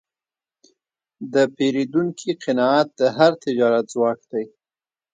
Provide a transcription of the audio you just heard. د پیرودونکي قناعت د هر تجارت ځواک دی.